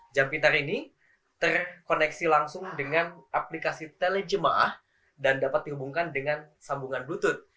jam pintar ini terkoneksi langsung dengan aplikasi telejemaah dan dapat dihubungkan dengan sambungan bluetooth